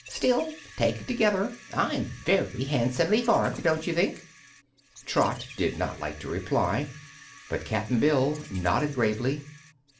Still, taken altogether, I'm very handsomely formed, don't you think?" Trot did not like to reply, but Cap'n Bill nodded gravely.